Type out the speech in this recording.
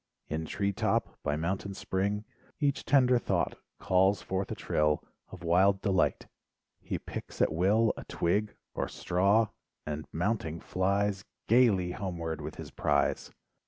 In tree top, by mountain Spring. Each tender thought calls forth a trill, Of wild delight: he picks at will A twig or straw and mounting flies Gaily homeward with his prize.